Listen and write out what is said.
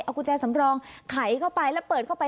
เอากุญแจสำรองไขเข้าไปแล้วเปิดเข้าไป